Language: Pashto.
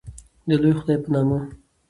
د لوی خدای په نامه